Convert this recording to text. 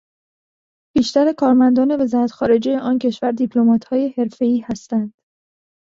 بیشتر کارمندان وزرات خارجهی آن کشور دیپلماتهای حرفهای هستند.